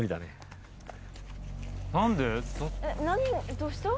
どうした？